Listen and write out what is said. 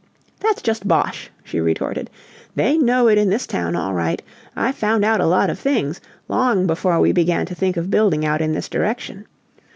"That's just bosh," she retorted. "They know it in this town, all right! I found out a lot of things, long before we began to think of building out in this direction.